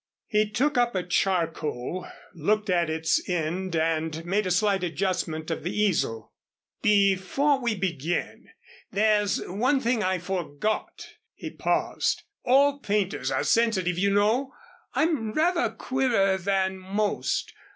He took up a charcoal looked at its end, and made a slight adjustment of the easel. "Before we begin there's one thing I forgot." He paused. "All painters are sensitive, you know. I'm rather queerer than most.